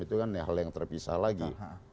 itu kan hal yang terpisah lagi